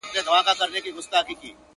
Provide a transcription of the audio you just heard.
زوکام يم,